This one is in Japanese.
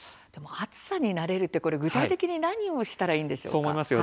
暑さに慣れる具体的に何をしたらいいんでしょうか。